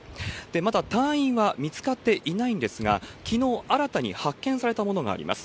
また、隊員は見つかっていないんですが、きのう、新たに発見されたものがあります。